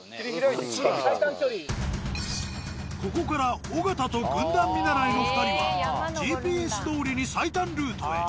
ここから尾形と軍団見習いの２人はＧＰＳどおりに最短ルートへ。